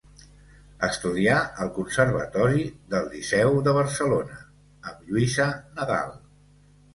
Estudià al Conservatori del Liceu, de Barcelona, amb Lluïsa Nadal.